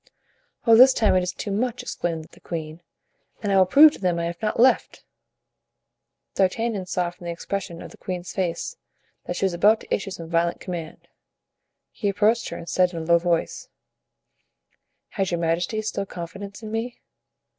"Oh, this time it is too much!" exclaimed the queen, "and I will prove to them I have not left." D'Artagnan saw from the expression of the queen's face that she was about to issue some violent command. He approached her and said in a low voice: "Has your majesty still confidence in me?"